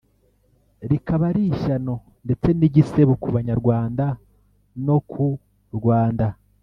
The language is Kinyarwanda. rikaba ari ishyano ndetse n’igisebo ku banyarwanda no ku Rwanda